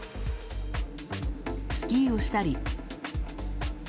スキーをしたり。